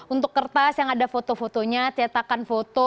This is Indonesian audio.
untuk kertas yang ada foto fotonya cetakan foto